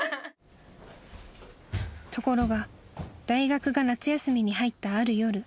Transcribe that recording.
［ところが大学が夏休みに入ったある夜］